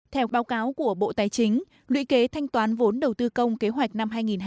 theo báo cáo của bộ tài chính lũy kế thanh toán vốn đầu tư công kế hoạch năm hai nghìn hai mươi